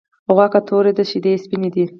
غوا که توره ده شيدې یی سپيني دی .